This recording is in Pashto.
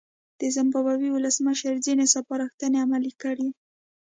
د زیمبابوې ولسمشر ځینې سپارښتنې عملي کړې.